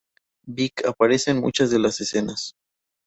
Beck aparece en muchas de las escenas.